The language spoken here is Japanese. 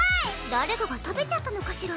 誰かが食べちゃったのかしら？